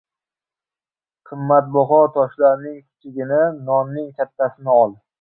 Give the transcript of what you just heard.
• Qimmatbaho toshlarning kichigini, nonning kattasini ol.